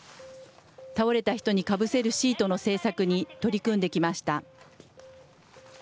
倒れた人にかぶせるシートの制作に取り組んできました。